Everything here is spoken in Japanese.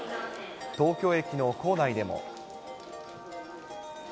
東京駅の構内でも。